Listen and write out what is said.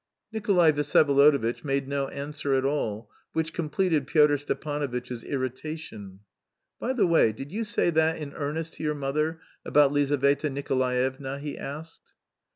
Nikolay Vsyevolodovitch made no answer at all, which completed Pyotr Stepanovitch's irritation. "By the way, did you say that in earnest to your mother, about Lizaveta Nikolaevna?" he asked.